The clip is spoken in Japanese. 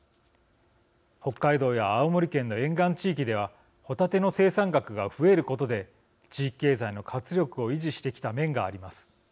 北海道や青森県の沿岸地域ではホタテの生産額が増えることで地域経済の活力を維持してきた面があります。